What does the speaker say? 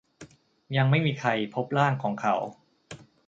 ยังไม่มีใครพบร่างของเขา